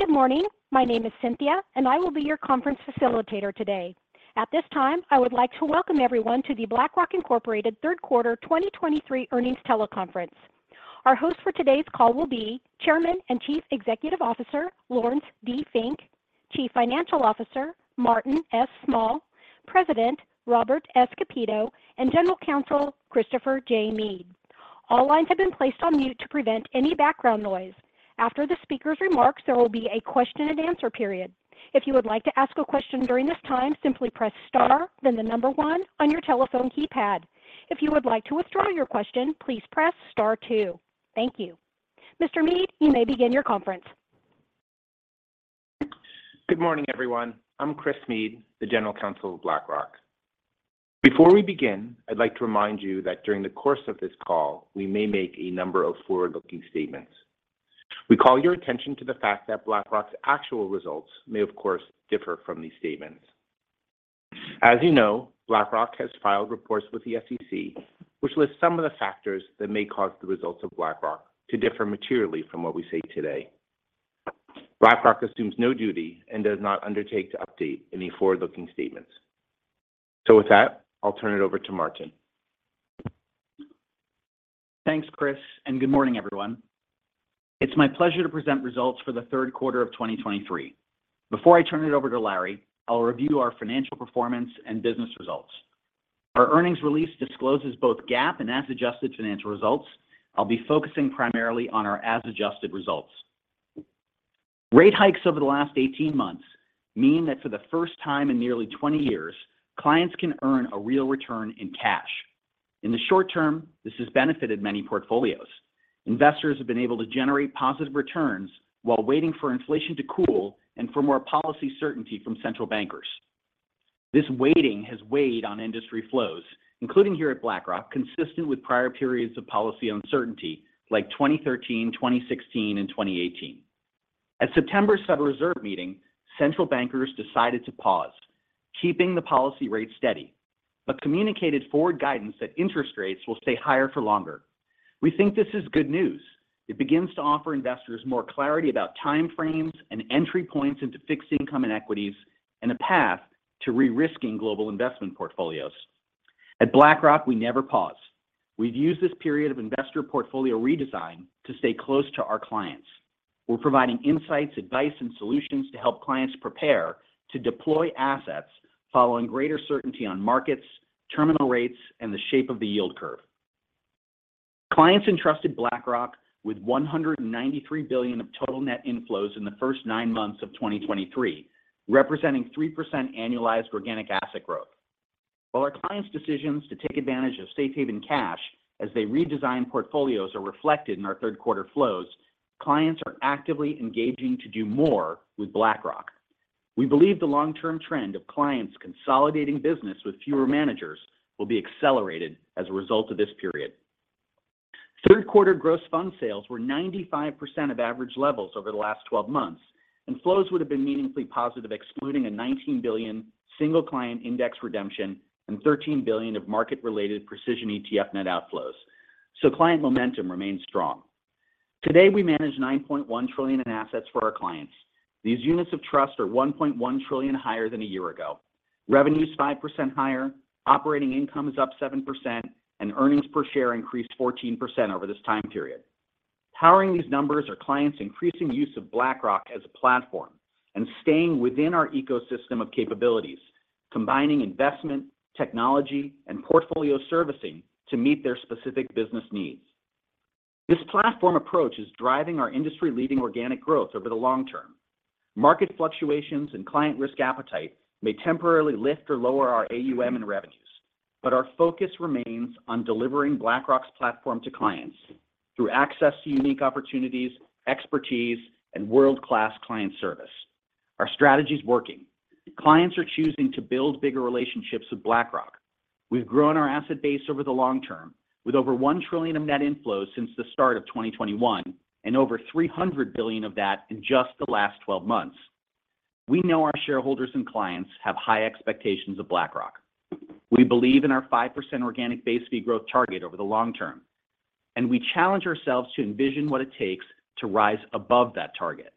Good morning. My name is Cynthia, and I will be your conference facilitator today. At this time, I would like to welcome everyone to the BlackRock, Inc. third quarter 2023 earnings teleconference. Our host for today's call will be Chairman and Chief Executive Officer, Laurence D. Fink, Chief Financial Officer, Martin S. Small, President, Robert S. Kapito, and General Counsel, Christopher J. Meade. All lines have been placed on mute to prevent any background noise. After the speaker's remarks, there will be a question and answer period. If you would like to ask a question during this time, simply press star, then the number one on your telephone keypad. If you would like to withdraw your question, please press star two. Thank you. Mr. Meade, you may begin your conference. Good morning, everyone. I'm Chris Meade, the General Counsel of BlackRock. Before we begin, I'd like to remind you that during the course of this call, we may make a number of forward-looking statements. We call your attention to the fact that BlackRock's actual results may, of course, differ from these statements. As you know, BlackRock has filed reports with the SEC, which lists some of the factors that may cause the results of BlackRock to differ materially from what we say today. BlackRock assumes no duty and does not undertake to update any forward-looking statements. With that, I'll turn it over to Martin. Thanks, Chris, and good morning, everyone. It's my pleasure to present results for the third quarter of 2023. Before I turn it over to Larry, I'll review our financial performance and business results. Our earnings release discloses both GAAP and as-adjusted financial results. I'll be focusing primarily on our as-adjusted results. Rate hikes over the last 18 months mean that for the first time in nearly 20 years, clients can earn a real return in cash. In the short term, this has benefited many portfolios. Investors have been able to generate positive returns while waiting for inflation to cool and for more policy certainty from central bankers. This waiting has weighed on industry flows, including here at BlackRock, consistent with prior periods of policy uncertainty like 2013, 2016, and 2018. At September's Federal Reserve meeting, central bankers decided to pause, keeping the policy rate steady, but communicated forward guidance that interest rates will stay higher for longer. We think this is good news. It begins to offer investors more clarity about time frames and entry points into fixed income and equities, and a path to re-risking global investment portfolios. At BlackRock, we never pause. We've used this period of investor portfolio redesign to stay close to our clients. We're providing insights, advice, and solutions to help clients prepare to deploy assets following greater certainty on markets, terminal rates, and the shape of the yield curve. Clients entrusted BlackRock with $193 billion of total net inflows in the first nine months of 2023, representing 3% annualized organic asset growth. While our clients' decisions to take advantage of safe haven cash as they redesign portfolios are reflected in our third quarter flows, clients are actively engaging to do more with BlackRock. We believe the long-term trend of clients consolidating business with fewer managers will be accelerated as a result of this period. Third quarter gross fund sales were 95% of average levels over the last 12 months, and flows would have been meaningfully positive, excluding a $19 billion single client index redemption and $13 billion of market-related precision ETF net outflows. So client momentum remains strong. Today, we manage $9.1 trillion in assets for our clients. These units of trust are $1.1 trillion higher than a year ago. Revenue is 5% higher, operating income is up 7%, and earnings per share increased 14% over this time period. Powering these numbers are clients' increasing use of BlackRock as a platform and staying within our ecosystem of capabilities, combining investment, technology, and portfolio servicing to meet their specific business needs. This platform approach is driving our industry-leading organic growth over the long term. Market fluctuations and client risk appetite may temporarily lift or lower our AUM and revenues, but our focus remains on delivering BlackRock's platform to clients through access to unique opportunities, expertise, and world-class client service. Our strategy is working. Clients are choosing to build bigger relationships with BlackRock. We've grown our asset base over the long term with over $1 trillion of net inflows since the start of 2021 and over $300 billion of that in just the last 12 months. We know our shareholders and clients have high expectations of BlackRock. We believe in our 5% organic base fee growth target over the long term, and we challenge ourselves to envision what it takes to rise above that target.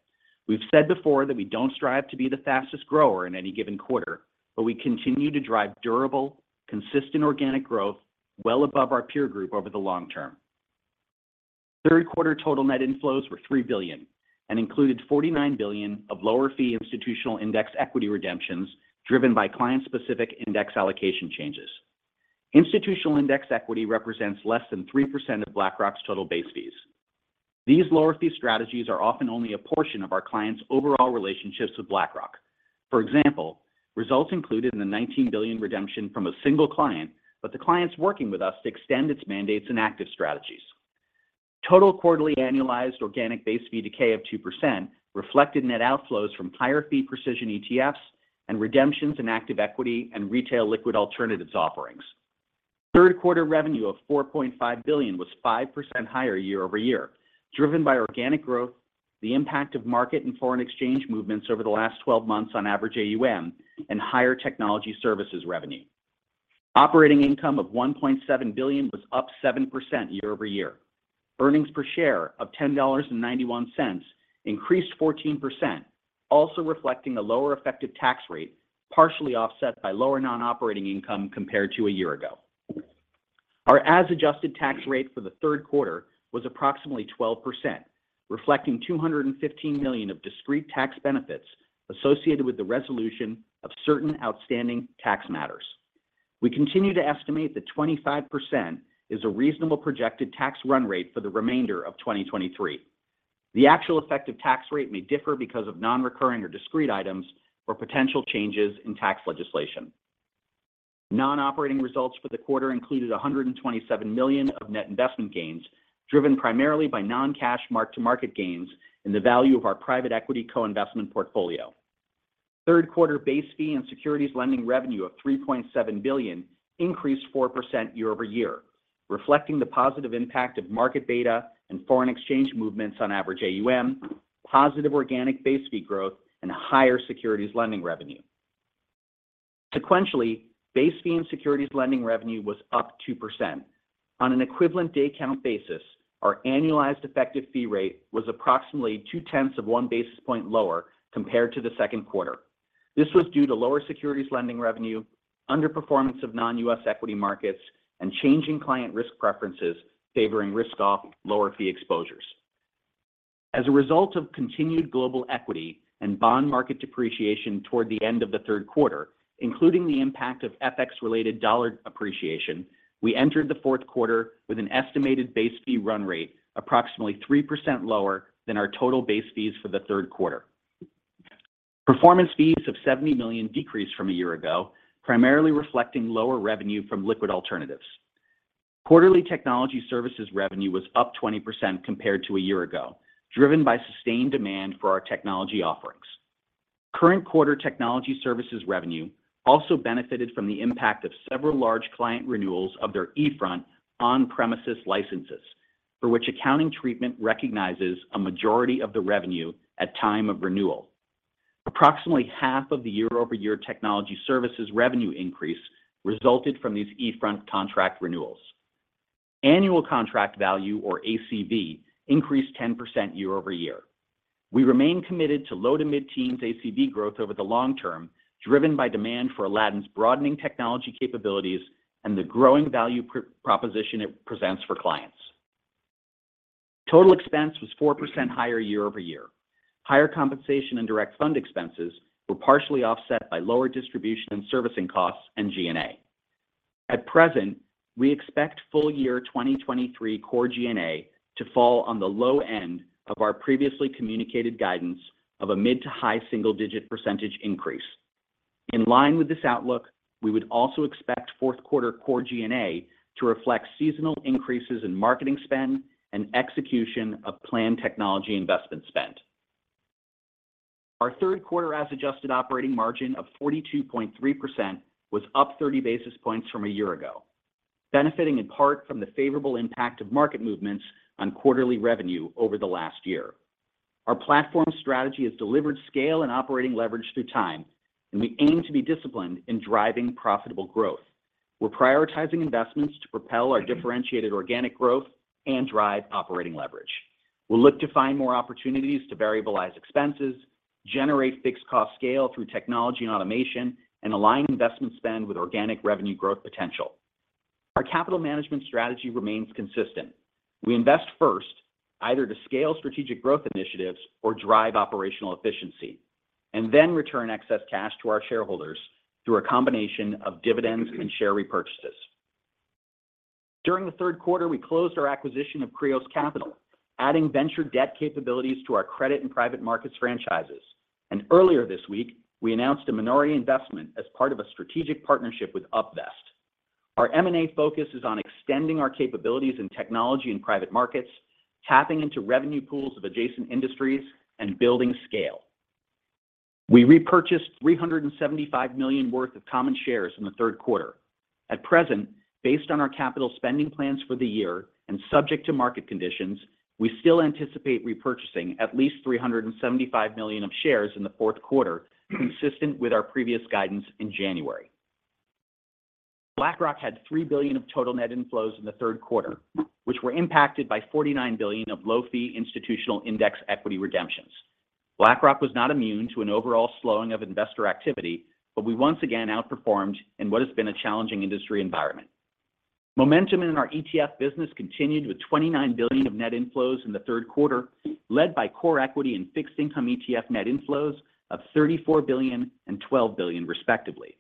We've said before that we don't strive to be the fastest grower in any given quarter, but we continue to drive durable, consistent organic growth well above our peer group over the long term. Third quarter total net inflows were $3 billion and included $49 billion of lower fee institutional index equity redemptions, driven by client-specific index allocation changes. Institutional index equity represents less than 3% of BlackRock's total base fees. These lower fee strategies are often only a portion of our clients' overall relationships with BlackRock. For example, results included in the $19 billion redemption from a single client, but the client's working with us to extend its mandates and active strategies. Total quarterly annualized organic base fee decay of 2% reflected net outflows from higher fee precision ETFs and redemptions in active equity and retail liquid alternatives offerings. Third-quarter revenue of $4.5 billion was 5% higher year-over-year, driven by organic growth, the impact of market and foreign exchange movements over the last 12 months on average AUM, and higher technology services revenue. Operating income of $1.7 billion was up 7% year-over-year. Earnings per share of $10.91 increased 14%, also reflecting a lower effective tax rate, partially offset by lower non-operating income compared to a year ago. Our as-adjusted tax rate for the third quarter was approximately 12%, reflecting $215 million of discrete tax benefits associated with the resolution of certain outstanding tax matters. We continue to estimate that 25% is a reasonable projected tax run rate for the remainder of 2023. The actual effective tax rate may differ because of non-recurring or discrete items or potential changes in tax legislation. Non-operating results for the quarter included $127 million of net investment gains, driven primarily by non-cash mark-to-market gains in the value of our private equity co-investment portfolio. Third quarter base fee and securities lending revenue of $3.7 billion increased 4% year-over-year, reflecting the positive impact of market beta and foreign exchange movements on average AUM, positive organic base fee growth, and higher securities lending revenue. Sequentially, base fee and securities lending revenue was up 2%. On an equivalent day count basis, our annualized effective fee rate was approximately 0.2 basis point lower compared to the second quarter. This was due to lower securities lending revenue, underperformance of non-U.S. equity markets, and changing client risk preferences favoring risk-off, lower fee exposures. As a result of continued global equity and bond market depreciation toward the end of the third quarter, including the impact of FX-related dollar appreciation, we entered the fourth quarter with an estimated base fee run rate approximately 3% lower than our total base fees for the third quarter. Performance fees of $70 million decreased from a year ago, primarily reflecting lower revenue from liquid alternatives. Quarterly technology services revenue was up 20% compared to a year ago, driven by sustained demand for our technology offerings. Current quarter technology services revenue also benefited from the impact of several large client renewals of their eFront on-premises licenses, for which accounting treatment recognizes a majority of the revenue at time of renewal. Approximately half of the year-over-year technology services revenue increase resulted from these eFront contract renewals. Annual contract value, or ACV, increased 10% year-over-year. We remain committed to low-to-mid teens ACV growth over the long term, driven by demand for Aladdin's broadening technology capabilities and the growing value proposition it presents for clients. Total expense was 4% higher year-over-year. Higher compensation and direct fund expenses were partially offset by lower distribution and servicing costs and G&A. At present, we expect full-year 2023 core G&A to fall on the low end of our previously communicated guidance of a mid- to high single-digit percentage increase. In line with this outlook, we would also expect fourth quarter core G&A to reflect seasonal increases in marketing spend and execution of planned technology investment spend. Our third quarter as-adjusted operating margin of 42.3% was up 30 basis points from a year ago, benefiting in part from the favorable impact of market movements on quarterly revenue over the last year. Our platform strategy has delivered scale and operating leverage through time, and we aim to be disciplined in driving profitable growth. We're prioritizing investments to propel our differentiated organic growth and drive operating leverage. We'll look to find more opportunities to variabilize expenses, generate fixed cost scale through technology and automation, and align investment spend with organic revenue growth potential. Our capital management strategy remains consistent. We invest first, either to scale strategic growth initiatives or drive operational efficiency, and then return excess cash to our shareholders through a combination of dividends and share repurchases. During the third quarter, we closed our acquisition of Kreos Capital, adding venture debt capabilities to our credit and private markets franchises. Earlier this week, we announced a minority investment as part of a strategic partnership with Upvest. Our M&A focus is on extending our capabilities in technology and private markets, tapping into revenue pools of adjacent industries, and building scale. We repurchased $375 million worth of common shares in the third quarter. At present, based on our capital spending plans for the year and subject to market conditions, we still anticipate repurchasing at least $375 million of shares in the fourth quarter, consistent with our previous guidance in January. BlackRock had $3 billion of total net inflows in the third quarter, which were impacted by $49 billion of low-fee institutional index equity redemptions. BlackRock was not immune to an overall slowing of investor activity, but we once again outperformed in what has been a challenging industry environment. Momentum in our ETF business continued with $29 billion of net inflows in the third quarter, led by core equity and fixed income ETF net inflows of $34 billion and $12 billion, respectively.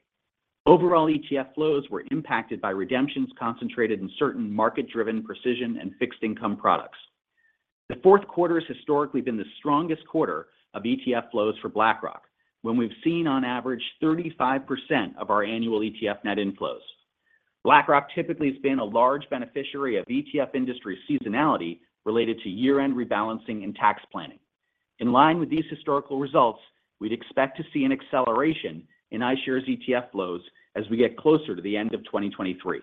Overall, ETF flows were impacted by redemptions concentrated in certain market-driven precision and fixed income products. The fourth quarter has historically been the strongest quarter of ETF flows for BlackRock, when we've seen on average 35% of our annual ETF net inflows. BlackRock typically has been a large beneficiary of ETF industry seasonality related to year-end rebalancing and tax planning. In line with these historical results, we'd expect to see an acceleration in iShares ETF flows as we get closer to the end of 2023.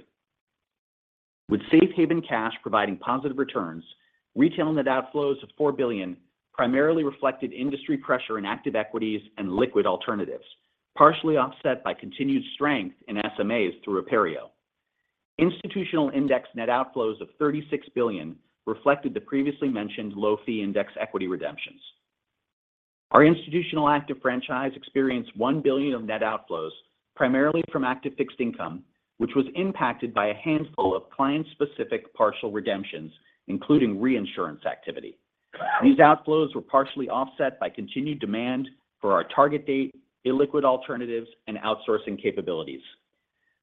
With safe haven cash providing positive returns, retail net outflows of $4 billion primarily reflected industry pressure in active equities and liquid alternatives, partially offset by continued strength in SMAs through Aperio. Institutional index net outflows of $36 billion reflected the previously mentioned low fee index equity redemptions. Our institutional active franchise experienced $1 billion of net outflows, primarily from active fixed income, which was impacted by a handful of client-specific partial redemptions, including reinsurance activity. These outflows were partially offset by continued demand for our target date, illiquid alternatives, and outsourcing capabilities.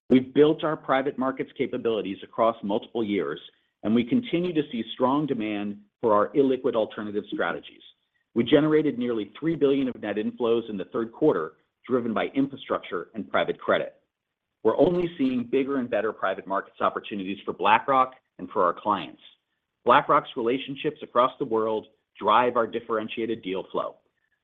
We've built our private markets capabilities across multiple years, and we continue to see strong demand for our illiquid alternative strategies. We generated nearly $3 billion of net inflows in the third quarter, driven by infrastructure and private credit. We're only seeing bigger and better private markets opportunities for BlackRock and for our clients. BlackRock's relationships across the world drive our differentiated deal flow.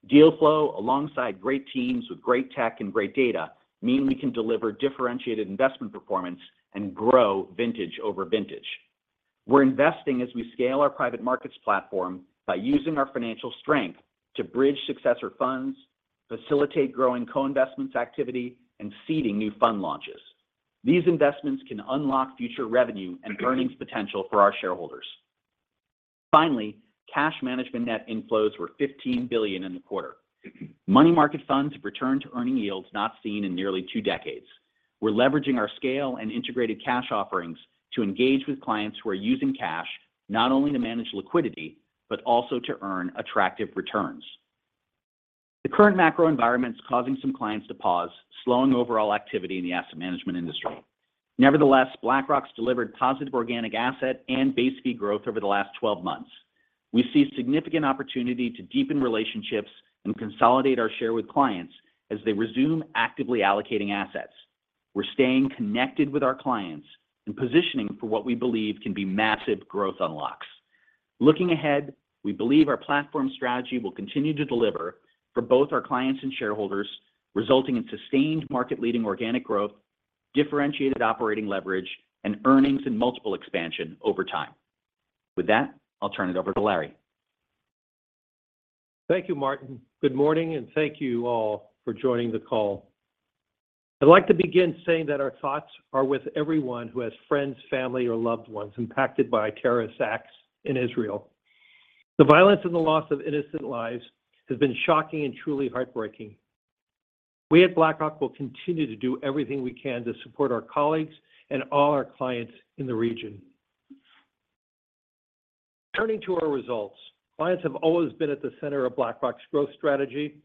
Deal flow, alongside great teams with great tech and great data, mean we can deliver differentiated investment performance and grow vintage over vintage. We're investing as we scale our private markets platform by using our financial strength to bridge successor funds, facilitate growing co-investments activity, and seeding new fund launches. These investments can unlock future revenue and earnings potential for our shareholders. Finally, cash management net inflows were $15 billion in the quarter. Money market funds have returned to earning yields not seen in nearly two decades. We're leveraging our scale and integrated cash offerings to engage with clients who are using cash, not only to manage liquidity, but also to earn attractive returns. The current macro environment is causing some clients to pause, slowing overall activity in the asset management industry. Nevertheless, BlackRock's delivered positive organic asset and base fee growth over the last 12 months. We see significant opportunity to deepen relationships and consolidate our share with clients as they resume actively allocating assets. We're staying connected with our clients and positioning for what we believe can be massive growth unlocks. Looking ahead, we believe our platform strategy will continue to deliver for both our clients and shareholders, resulting in sustained market-leading organic growth, differentiated operating leverage, and earnings and multiple expansion over time. With that, I'll turn it over to Larry. Thank you, Martin. Good morning, and thank you all for joining the call. I'd like to begin saying that our thoughts are with everyone who has friends, family, or loved ones impacted by terrorist acts in Israel. The violence and the loss of innocent lives has been shocking and truly heartbreaking. We at BlackRock will continue to do everything we can to support our colleagues and all our clients in the region. Turning to our results, clients have always been at the center of BlackRock's growth strategy.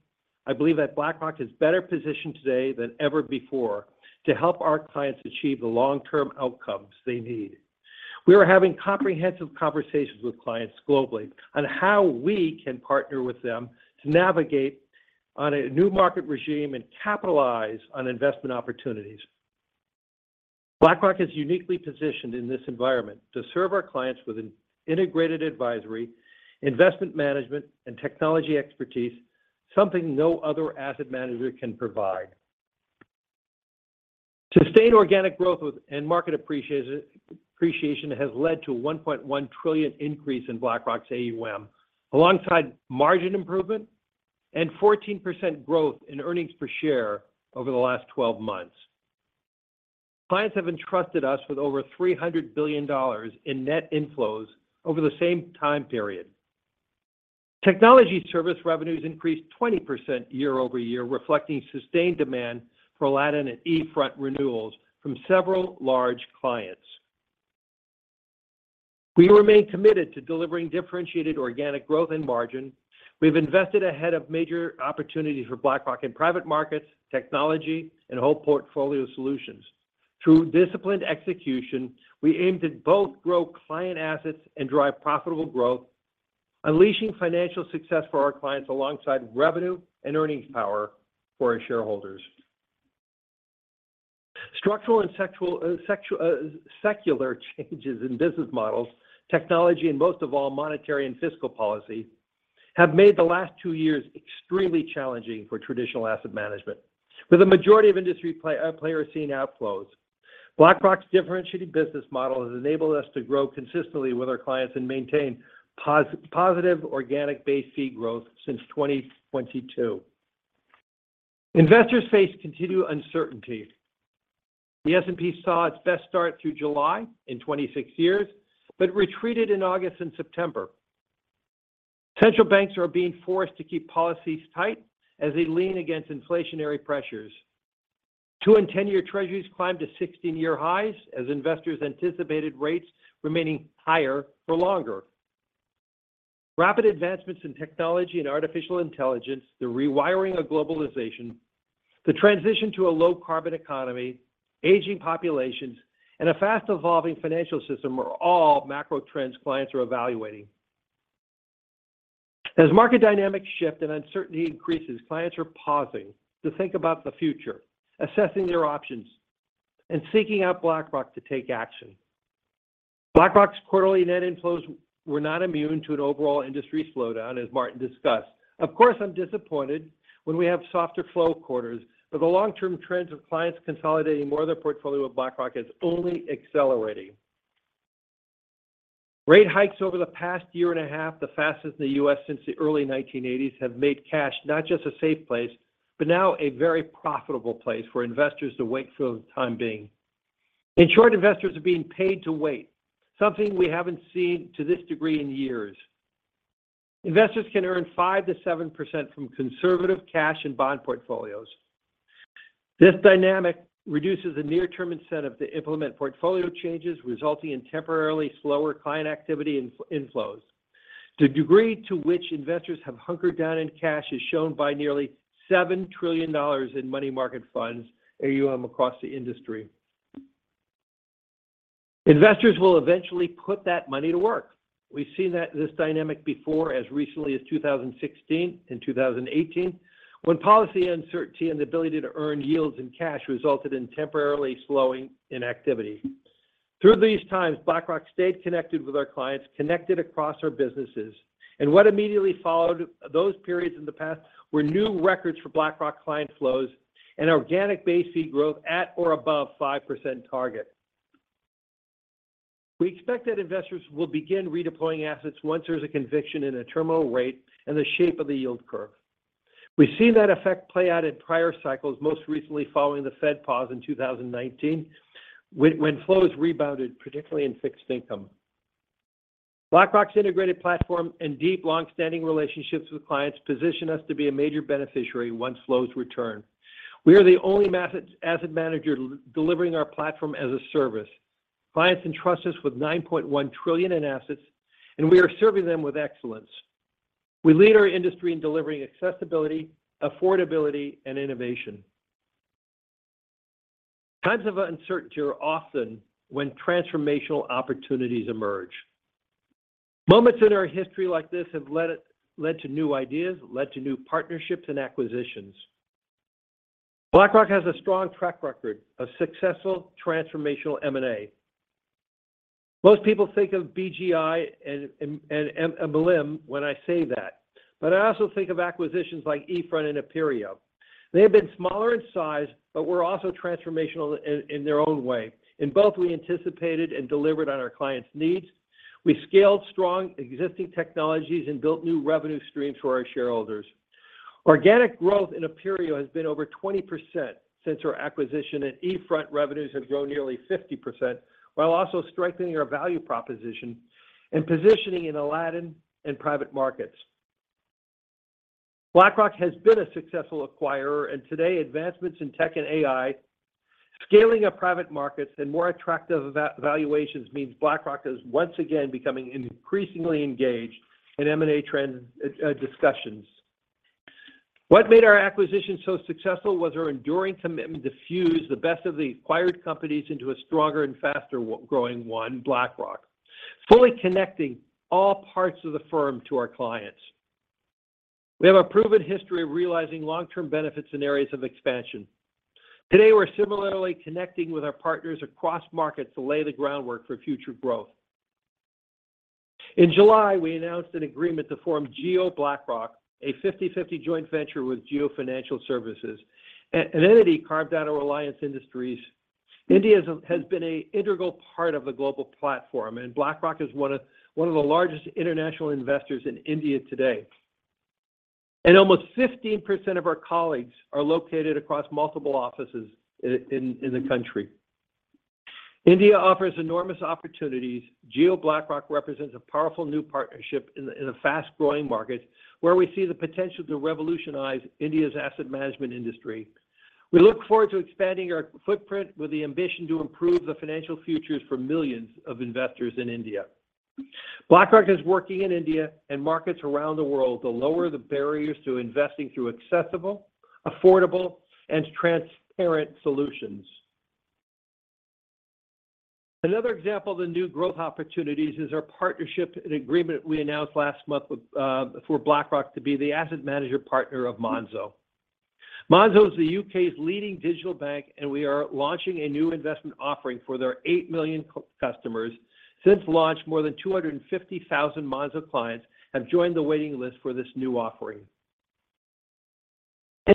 I believe that BlackRock is better positioned today than ever before to help our clients achieve the long-term outcomes they need. We are having comprehensive conversations with clients globally on how we can partner with them to navigate on a new market regime and capitalize on investment opportunities. BlackRock is uniquely positioned in this environment to serve our clients with an integrated advisory, investment management, and technology expertise, something no other asset manager can provide. Sustained organic growth with and market appreciation has led to a $1.1 trillion increase in BlackRock's AUM, alongside margin improvement and 14% growth in earnings per share over the last 12 months. Clients have entrusted us with over $300 billion in net inflows over the same time period. Technology service revenues increased 20% year-over-year, reflecting sustained demand for Aladdin and eFront renewals from several large clients. We remain committed to delivering differentiated organic growth and margin. We've invested ahead of major opportunities for BlackRock in private markets, technology, and whole portfolio solutions. Through disciplined execution, we aim to both grow client assets and drive profitable growth, unleashing financial success for our clients alongside revenue and earnings power for our shareholders. Structural and secular changes in business models, technology, and most of all, monetary and fiscal policy, have made the last two years extremely challenging for traditional asset management, with a majority of industry players seeing outflows. BlackRock's differentiated business model has enabled us to grow consistently with our clients and maintain positive organic base fee growth since 2022. Investors face continued uncertainty. The S&P saw its best start through July in 26 years, but retreated in August and September. Central banks are being forced to keep policies tight as they lean against inflationary pressures. Two- and 10-year treasuries climbed to 16-year highs as investors anticipated rates remaining higher for longer. Rapid advancements in technology and artificial intelligence, the rewiring of globalization, the transition to a low-carbon economy, aging populations, and a fast-evolving financial system are all macro trends clients are evaluating. As market dynamics shift and uncertainty increases, clients are pausing to think about the future, assessing their options, and seeking out BlackRock to take action. BlackRock's quarterly net inflows were not immune to an overall industry slowdown, as Martin discussed. Of course, I'm disappointed when we have softer flow quarters, but the long-term trends of clients consolidating more of their portfolio with BlackRock is only accelerating. Rate hikes over the past year and a half, the fastest in the U.S. since the early 1980s, have made cash not just a safe place, but now a very profitable place for investors to wait for the time being. In short, investors are being paid to wait, something we haven't seen to this degree in years. Investors can earn 5%-7% from conservative cash and bond portfolios. This dynamic reduces the near-term incentive to implement portfolio changes, resulting in temporarily slower client activity in inflows. The degree to which investors have hunkered down in cash is shown by nearly $7 trillion in money market funds, AUM across the industry. Investors will eventually put that money to work. We've seen that, this dynamic before, as recently as 2016 and 2018, when policy uncertainty and the ability to earn yields and cash resulted in temporarily slowing in activity. Through these times, BlackRock stayed connected with our clients, connected across our businesses, and what immediately followed those periods in the past were new records for BlackRock client flows and organic base fee growth at or above 5% target. We expect that investors will begin redeploying assets once there's a conviction in a terminal rate and the shape of the yield curve. We've seen that effect play out in prior cycles, most recently following the Fed pause in 2019, when flows rebounded, particularly in fixed income. BlackRock's integrated platform and deep, long-standing relationships with clients position us to be a major beneficiary once flows return. We are the only asset manager delivering our platform as a service. Clients entrust us with $9.1 trillion in assets, and we are serving them with excellence. We lead our industry in delivering accessibility, affordability, and innovation. Times of uncertainty are often when transformational opportunities emerge. Moments in our history like this have led to new ideas, led to new partnerships and acquisitions. BlackRock has a strong track record of successful transformational M&A. Most people think of BGI and MLIM when I say that, but I also think of acquisitions like eFront and Aperio. They have been smaller in size, but were also transformational in their own way. In both, we anticipated and delivered on our clients' needs. We scaled strong existing technologies and built new revenue streams for our shareholders. Organic growth in Aperio has been over 20% since our acquisition, and eFront revenues have grown nearly 50%, while also strengthening our value proposition and positioning in Aladdin and private markets. BlackRock has been a successful acquirer, and today, advancements in tech and AI, scaling of private markets, and more attractive valuations means BlackRock is once again becoming increasingly engaged in M&A trend, discussions. What made our acquisition so successful was our enduring commitment to fuse the best of the acquired companies into a stronger and faster growing one, BlackRock, fully connecting all parts of the firm to our clients. We have a proven history of realizing long-term benefits in areas of expansion. Today, we're similarly connecting with our partners across markets to lay the groundwork for future growth. In July, we announced an agreement to form JioBlackRock, a 50/50 joint venture with Jio Financial Services, an entity carved out of Reliance Industries. India has been an integral part of the global platform, and BlackRock is one of the largest international investors in India today. Almost 15% of our colleagues are located across multiple offices in the country. India offers enormous opportunities. JioBlackRock represents a powerful new partnership in a fast-growing market, where we see the potential to revolutionize India's asset management industry. We look forward to expanding our footprint with the ambition to improve the financial futures for millions of investors in India. BlackRock is working in India and markets around the world to lower the barriers to investing through accessible, affordable, and transparent solutions. Another example of the new growth opportunities is our partnership and agreement we announced last month with for BlackRock to be the asset manager partner of Monzo. Monzo is the U.K.'s leading digital bank, and we are launching a new investment offering for their 8 million customers. Since launch, more than 250,000 Monzo clients have joined the waiting list for this new offering.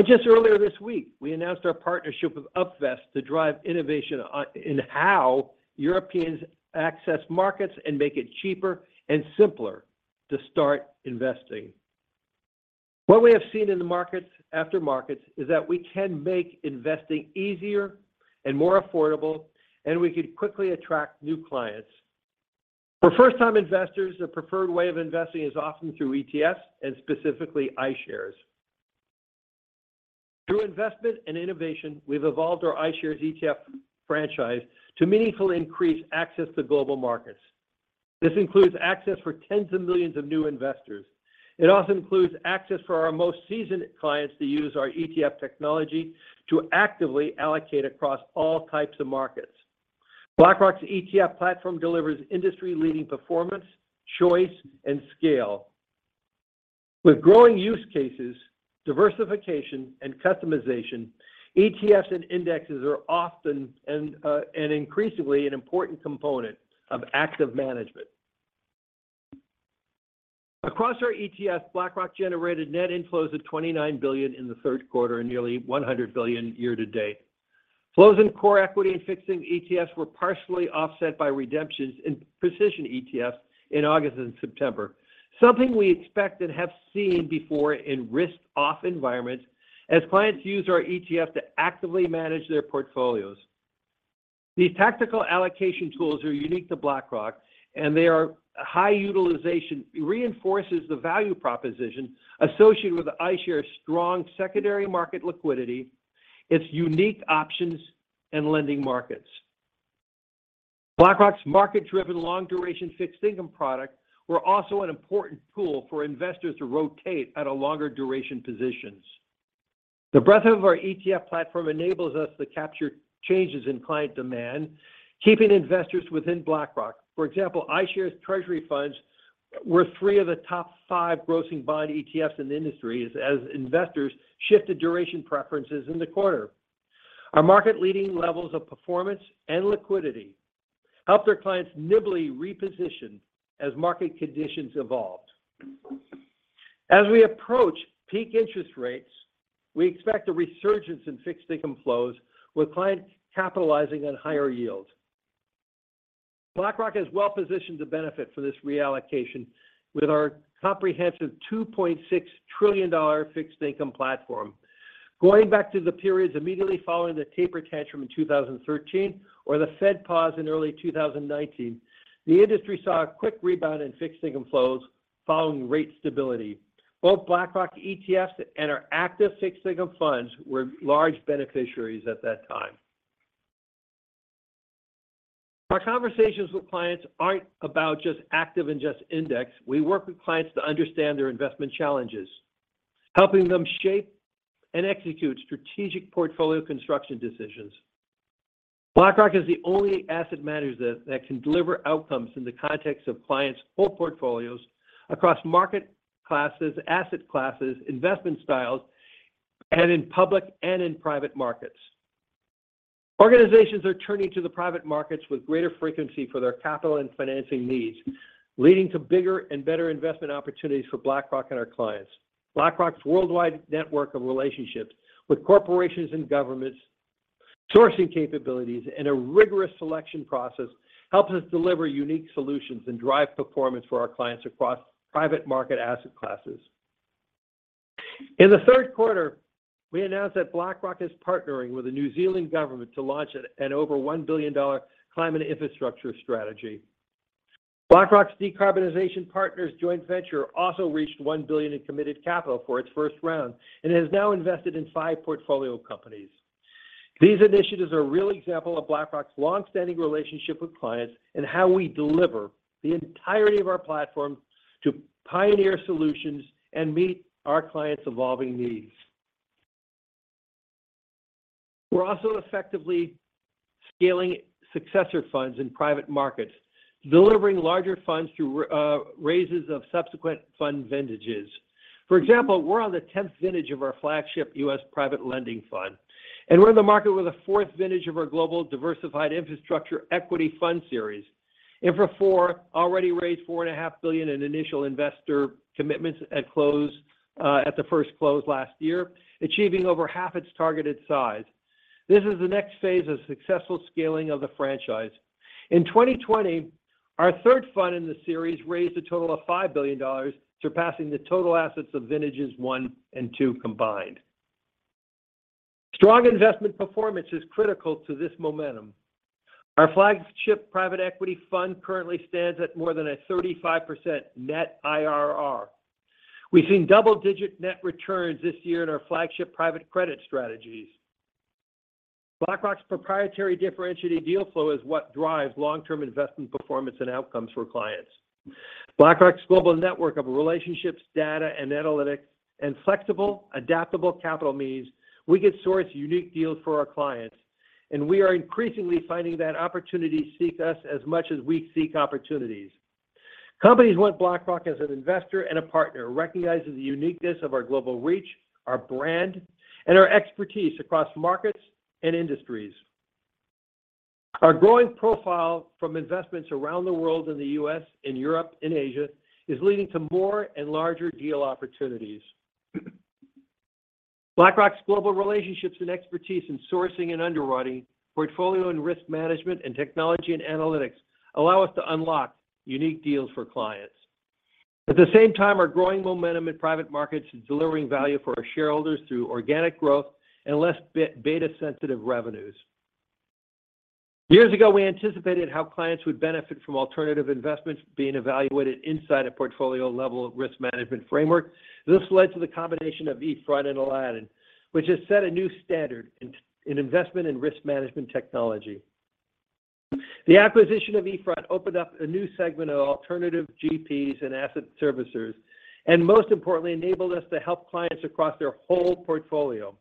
Just earlier this week, we announced our partnership with Upvest to drive innovation on, in how Europeans access markets and make it cheaper and simpler to start investing. What we have seen in the markets, after markets, is that we can make investing easier and more affordable, and we can quickly attract new clients. For first-time investors, the preferred way of investing is often through ETFs and specifically iShares. Through investment and innovation, we've evolved our iShares ETF franchise to meaningfully increase access to global markets. This includes access for tens of millions of new investors. It also includes access for our most seasoned clients to use our ETF technology to actively allocate across all types of markets. BlackRock's ETF platform delivers industry-leading performance, choice, and scale. With growing use cases, diversification, and customization, ETFs and indexes are often and, and increasingly an important component of active management. Across our ETF, BlackRock generated net inflows of $29 billion in the third quarter and nearly $100 billion year to date. Flows in core equity and fixing ETFs were partially offset by redemptions in precision ETFs in August and September. Something we expect and have seen before in risk-off environments as clients use our ETF to actively manage their portfolios. These tactical allocation tools are unique to BlackRock, and their high utilization reinforces the value proposition associated with iShares' strong secondary market liquidity, its unique options, and lending markets. BlackRock's market-driven, long-duration, fixed income product were also an important tool for investors to rotate at a longer duration positions. The breadth of our ETF platform enables us to capture changes in client demand, keeping investors within BlackRock. For example, iShares' Treasury funds were three of the top five grossing bond ETFs in the industry as investors shifted duration preferences in the quarter. Our market leading levels of performance and liquidity helped our clients nimbly reposition as market conditions evolved. As we approach peak interest rates, we expect a resurgence in fixed income flows, with clients capitalizing on higher yields. BlackRock is well positioned to benefit from this reallocation with our comprehensive $2.6 trillion fixed income platform. Going back to the periods immediately following the taper tantrum in 2013 or the Fed pause in early 2019, the industry saw a quick rebound in fixed income flows following rate stability. Both BlackRock ETFs and our active fixed income funds were large beneficiaries at that time. Our conversations with clients aren't about just active and just index. We work with clients to understand their investment challenges, helping them shape and execute strategic portfolio construction decisions. BlackRock is the only asset manager that, that can deliver outcomes in the context of clients' whole portfolios across market classes, asset classes, investment styles, and in public and in private markets. Organizations are turning to the private markets with greater frequency for their capital and financing needs, leading to bigger and better investment opportunities for BlackRock and our clients. BlackRock's worldwide network of relationships with corporations and governments, sourcing capabilities, and a rigorous selection process, helps us deliver unique solutions and drive performance for our clients across private markets asset classes. In the third quarter, we announced that BlackRock is partnering with the New Zealand government to launch an over $1 billion climate infrastructure strategy. BlackRock's Decarbonization Partners joint venture also reached $1 billion in committed capital for its first round and has now invested in five portfolio companies. These initiatives are a real example of BlackRock's long-standing relationship with clients and how we deliver the entirety of our platform to pioneer solutions and meet our clients' evolving needs. We're also effectively scaling successor funds in private markets, delivering larger funds through raises of subsequent fund vintages. For example, we're on 10th vintage of our flagship U.S. private lending fund, and we're in the market with a fourth vintage of our Global Diversified Infrastructure Equity Fund series. Infra IV already raised $4.5 billion in initial investor commitments at close, at the first close last year, achieving over half its targeted size. This is the next phase of successful scaling of the franchise. In 2020, our third fund in the series raised a total of $5 billion, surpassing the total assets of vintages one and two combined. Strong investment performance is critical to this momentum. Our flagship private equity fund currently stands at more than 35% net IRR. We've seen double-digit net returns this year in our flagship private credit strategies. BlackRock's proprietary differentiated deal flow is what drives long-term investment performance and outcomes for clients. BlackRock's global network of relationships, data and analytics, and flexible, adaptable capital means we can source unique deals for our clients, and we are increasingly finding that opportunities seek us as much as we seek opportunities. Companies want BlackRock as an investor and a partner, recognizing the uniqueness of our global reach, our brand, and our expertise across markets and industries. Our growing profile from investments around the world, in the U.S., in Europe, and Asia, is leading to more and larger deal opportunities. BlackRock's global relationships and expertise in sourcing and underwriting, portfolio and risk management, and technology and analytics allow us to unlock unique deals for clients. At the same time, our growing momentum in private markets is delivering value for our shareholders through organic growth and less beta-sensitive revenues. Years ago, we anticipated how clients would benefit from alternative investments being evaluated inside a portfolio level of risk management framework. This led to the combination of eFront and Aladdin, which has set a new standard in investment and risk management technology. The acquisition of eFront opened up a new segment of alternative GPs and asset servicers, and most importantly, enabled us to help clients across their whole portfolio.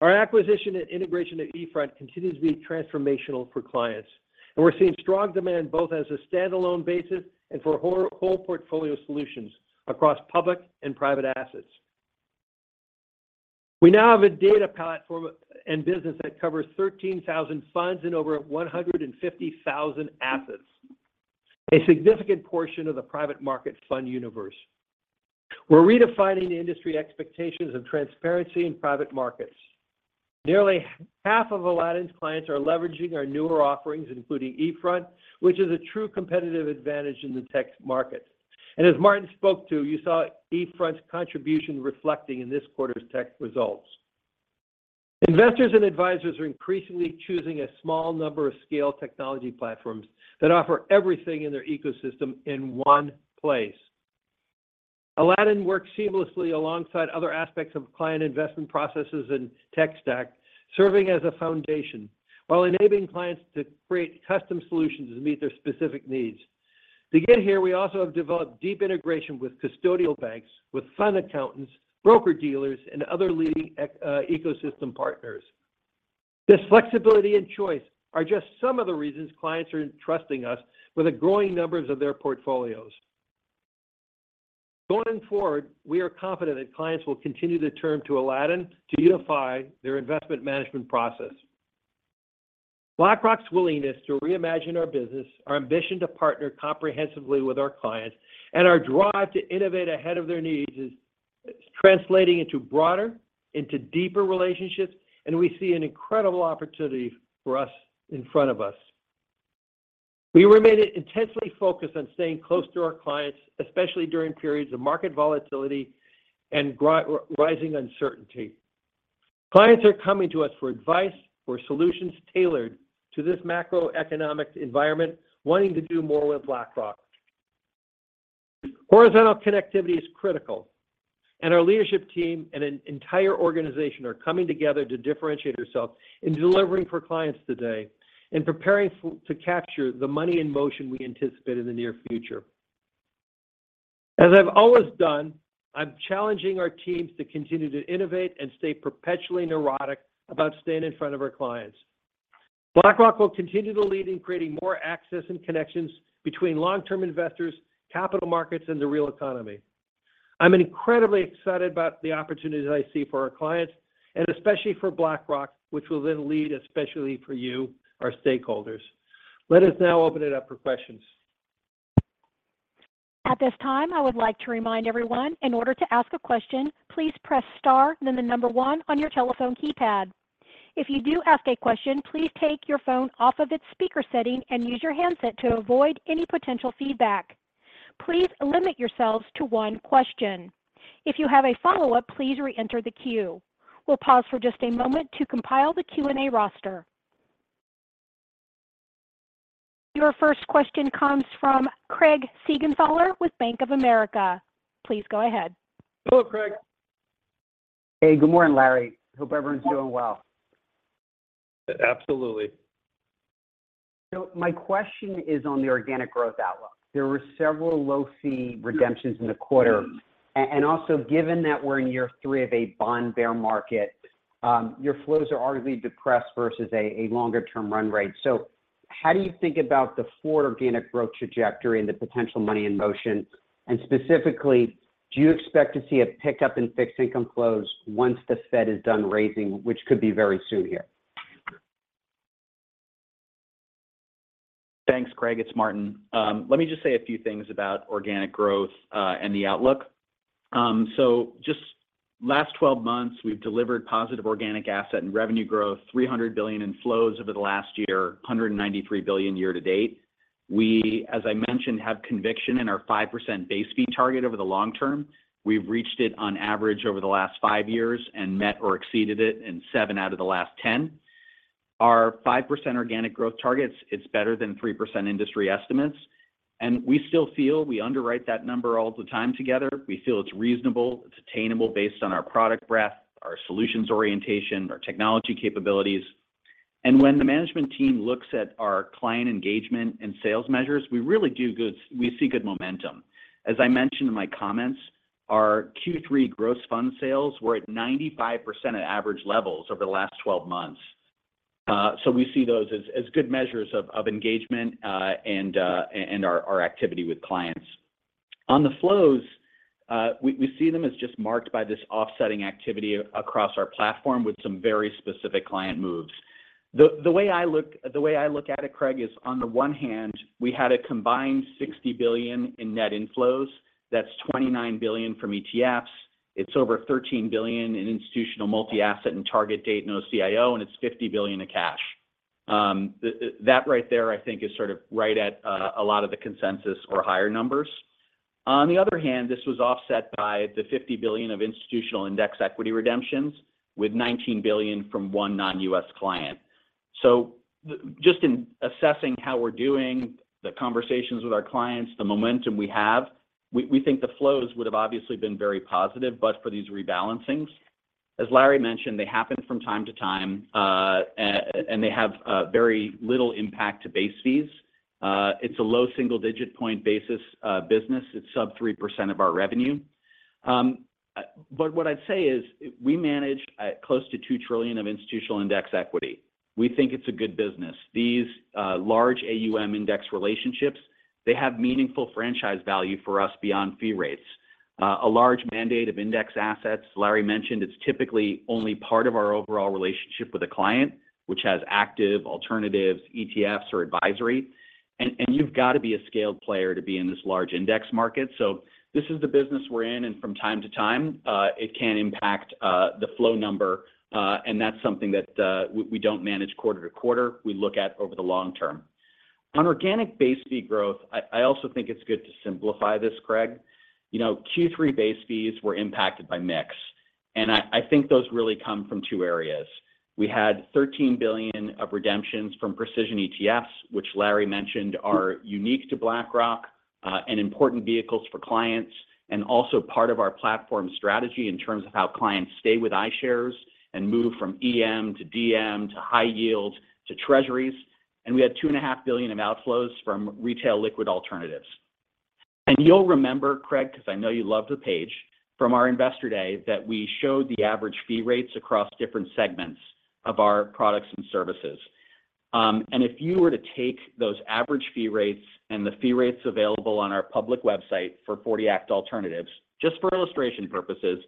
Our acquisition and integration at eFront continues to be transformational for clients, and we're seeing strong demand both as a standalone basis and for whole portfolio solutions across public and private assets. We now have a data platform and business that covers 13,000 funds and over 150,000 assets, a significant portion of the private market fund universe. We're redefining the industry expectations of transparency in private markets. Nearly half of Aladdin's clients are leveraging our newer offerings, including eFront, which is a true competitive advantage in the tech market. As Martin spoke to, you saw eFront's contribution reflecting in this quarter's tech results. Investors and advisors are increasingly choosing a small number of scale technology platforms that offer everything in their ecosystem in one place. Aladdin works seamlessly alongside other aspects of client investment processes and tech stack, serving as a foundation while enabling clients to create custom solutions to meet their specific needs. To get here, we also have developed deep integration with custodial banks, with fund accountants, broker-dealers, and other leading ecosystem partners. This flexibility and choice are just some of the reasons clients are entrusting us with a growing numbers of their portfolios. Going forward, we are confident that clients will continue to turn to Aladdin to unify their investment management process. BlackRock's willingness to reimagine our business, our ambition to partner comprehensively with our clients, and our drive to innovate ahead of their needs is translating into broader, into deeper relationships, and we see an incredible opportunity for us in front of us. We remain intensely focused on staying close to our clients, especially during periods of market volatility and rising uncertainty. Clients are coming to us for advice, for solutions tailored to this macroeconomic environment, wanting to do more with BlackRock. Horizontal connectivity is critical, and our leadership team and an entire organization are coming together to differentiate ourselves in delivering for clients today and preparing to capture the money in motion we anticipate in the near future. As I've always done, I'm challenging our teams to continue to innovate and stay perpetually neurotic about staying in front of our clients. BlackRock will continue to lead in creating more access and connections between long-term investors, capital markets, and the real economy. I'm incredibly excited about the opportunities I see for our clients, and especially for BlackRock, which will then lead, especially for you, our stakeholders. Let us now open it up for questions. At this time, I would like to remind everyone, in order to ask a question, please press star, then the number one on your telephone keypad. If you do ask a question, please take your phone off of its speaker setting and use your handset to avoid any potential feedback. Please limit yourselves to one question. If you have a follow-up, please reenter the queue. We'll pause for just a moment to compile the Q&A roster. Your first question comes from Craig Siegenthaler with Bank of America. Please go ahead. Hello, Craig. Hey, good morning, Larry. Hope everyone's doing well. Absolutely. So my question is on the organic growth outlook. There were several low fee redemptions in the quarter, and also, given that we're in year three of a bond bear market, your flows are arguably depressed versus a longer term run rate. So how do you think about the forward organic growth trajectory and the potential money in motion? And specifically, do you expect to see a pickup in fixed income flows once the Fed is done raising, which could be very soon here? Thanks, Craig. It's Martin. Let me just say a few things about organic growth, and the outlook. Just last 12 months, we've delivered positive organic asset and revenue growth, $300 billion in flows over the last year, $193 billion year to date. We, as I mentioned, have conviction in our 5% base fee target over the long term. We've reached it on average over the last five years and met or exceeded it in seven out of the last 10. Our 5% organic growth targets, it's better than 3% industry estimates, and we still feel we underwrite that number all the time together. We feel it's reasonable, it's attainable based on our product breadth, our solutions orientation, our technology capabilities. When the management team looks at our client engagement and sales measures, we really do good. We see good momentum. As I mentioned in my comments, our Q3 gross fund sales were at 95% of average levels over the last 12 months. So we see those as good measures of engagement and our activity with clients. On the flows, we see them as just marked by this offsetting activity across our platform with some very specific client moves. The way I look at it, Craig, is on the one hand, we had a combined $60 billion in net inflows. That's $29 billion from ETFs. It's over $13 billion in institutional multi-asset and target date and OCIO, and it's $50 billion in cash. The, that right there, I think, is sort of right at a lot of the consensus or higher numbers. On the other hand, this was offset by the $50 billion of institutional index equity redemptions with $19 billion from one non-U.S. client. So just in assessing how we're doing, the conversations with our clients, the momentum we have, we think the flows would have obviously been very positive, but for these rebalancings. As Larry mentioned, they happen from time to time, and they have very little impact to base fees. It's a low single-digit point basis business. It's sub 3% of our revenue. But what I'd say is, we managed close to $2 trillion of institutional index equity. We think it's a good business. These large AUM index relationships, they have meaningful franchise value for us beyond fee rates. A large mandate of index assets, Larry mentioned, it's typically only part of our overall relationship with a client, which has active alternatives, ETFs, or advisory. You've got to be a scaled player to be in this large index market. This is the business we're in, and from time to time, it can impact the flow number, and that's something that we don't manage quarter to quarter, we look at over the long term. On organic base fee growth, I also think it's good to simplify this, Craig. You know, Q3 base fees were impacted by mix, and I think those really come from two areas. We had $13 billion of redemptions from precision ETFs, which Larry mentioned are unique to BlackRock, and important vehicles for clients, and also part of our platform strategy in terms of how clients stay with iShares and move from EM to DM, to high yield to treasuries. We had $2.5 billion of outflows from retail liquid alternatives. You'll remember, Craig, 'cause I know you love the page, from our investor day, that we showed the average fee rates across different segments of our products and services. And if you were to take those average fee rates and the fee rates available on our public website for 40 Act alternatives, just for illustration purposes,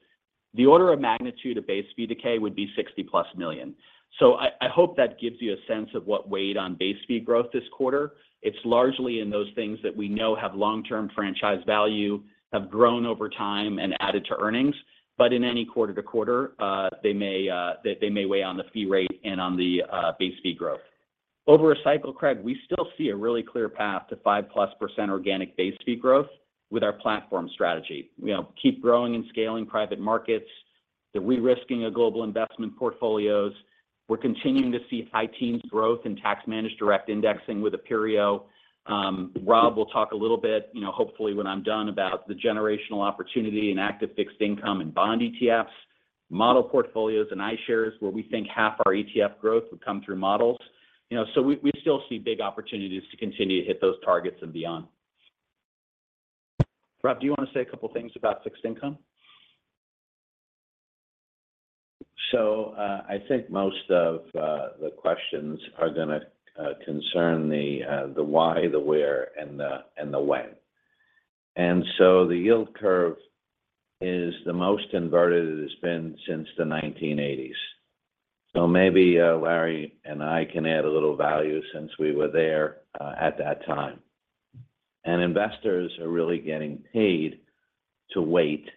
the order of magnitude of base fee decay would be $60+ million. So I hope that gives you a sense of what weighed on base fee growth this quarter. It's largely in those things that we know have long-term franchise value, have grown over time and added to earnings, but in any quarter to quarter, they may weigh on the fee rate and on the base fee growth. Over a cycle, Craig, we still see a really clear path to 5%+ organic base fee growth with our platform strategy. You know, keep growing and scaling private markets, the de-risking of global investment portfolios. We're continuing to see high teens growth in tax managed direct indexing with Aperio. Rob will talk a little bit, you know, hopefully when I'm done, about the generational opportunity in active fixed income and bond ETFs, model portfolios and iShares, where we think half our ETF growth would come through models. You know, so we still see big opportunities to continue to hit those targets and beyond. Rob, do you want to say a couple of things about fixed income? I think most of the questions are gonna concern the why, the where, and the when. The yield curve is the most inverted it has been since the 1980s. Maybe Larry and I can add a little value since we were there at that time. Investors are really getting paid to wait,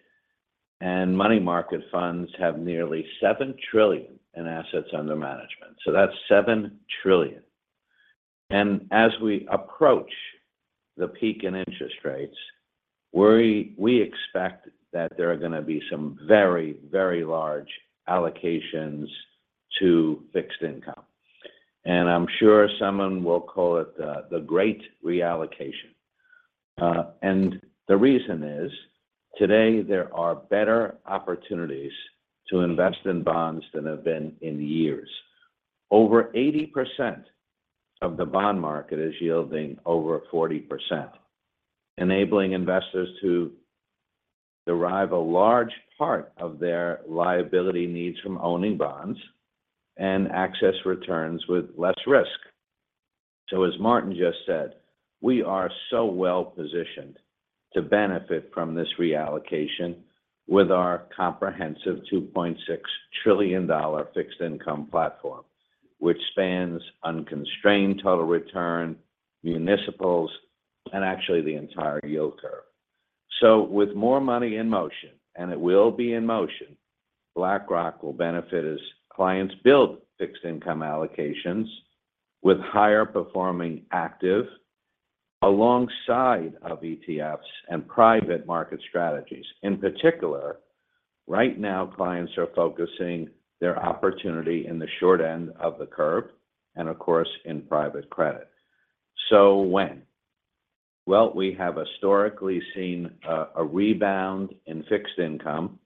and money market funds have nearly $7 trillion in assets under management. That's $7 trillion. As we approach the peak in interest rates, we expect that there are gonna be some very, very large allocations to fixed income. I'm sure someone will call it the great reallocation. The reason is, today, there are better opportunities to invest in bonds than have been in years. Over 80% of the bond market is yielding over 40%, enabling investors to derive a large part of their liability needs from owning bonds and access returns with less risk. So as Martin just said, we are so well positioned to benefit from this reallocation with our comprehensive $2.6 trillion fixed income platform, which spans unconstrained total return, municipals, and actually the entire yield curve. So with more money in motion, and it will be in motion, BlackRock will benefit as clients build fixed income allocations with higher performing active alongside of ETFs and private market strategies. In particular, right now, clients are focusing their opportunity in the short end of the curve, and of course, in private credit. So when? Well, we have historically seen a rebound in fixed income